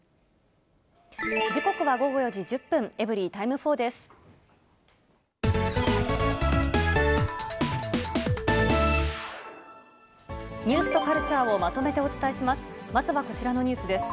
時刻は午後４時１０分、エブリィタイム４です。